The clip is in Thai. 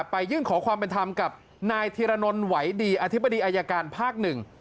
ไปยื่นขอความเป็นธรรมกับนายธีรนนท์ไหวดีอธิบดีอายการภาคหนึ่ง